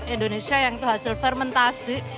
indonesia yang itu hasil fermentasi